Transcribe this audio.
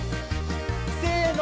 せの！